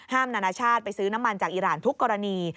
นานาชาติไปซื้อน้ำมันจากอิราณทุกกรณี